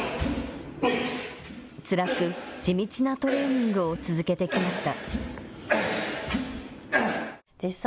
つらく地道なトレーニングを続けてきました。